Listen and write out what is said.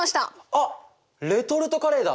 あっレトルトカレーだ！